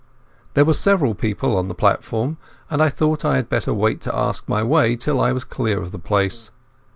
There were several people on the platform, and I thought I had better wait to ask my way till I was clear of the place.